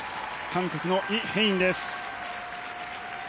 韓国のイ・ヘインです。